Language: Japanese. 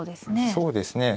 そうですね。